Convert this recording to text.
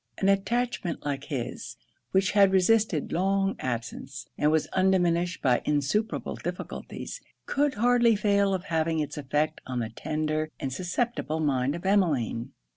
An attachment like his, which had resisted long absence, and was undiminished by insuperable difficulties, could hardly fail of having it's effect on the tender and susceptible mind of Emmeline.